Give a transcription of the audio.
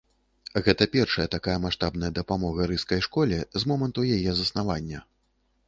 Гэта першая такая маштабная дапамога рыжскай школе з моманту яе заснавання.